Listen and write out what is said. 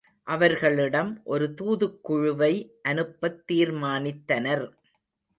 அவர்களிடம் ஒரு தூதுக் குழுவை அனுப்பத் தீர்மானித்தனர்.